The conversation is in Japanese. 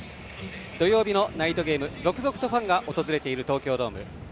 土曜日のナイトゲーム続々とファンが訪れている東京ドーム。